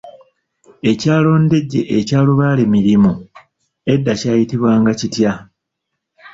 Ekyalo Ndejje ekya lubaale mirimu edda kyayitibwanga kitya?